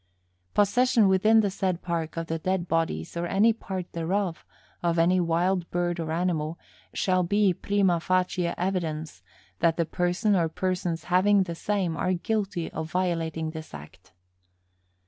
Possession within the said Park of the dead bodies, or any part thereof, of any wild bird or animal shall be prima facie evidence that the person or persons having the same are guilty of violating this Act.